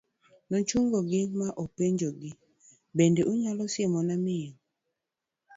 nochungo gi ma openjogi, bende unyalo siemona miyo